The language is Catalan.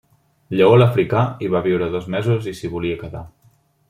Lleó l'Africà hi va viure dos mesos i s'hi volia quedar.